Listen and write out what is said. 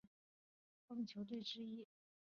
崇越隼鹰队为台湾业余棒球队伍之一。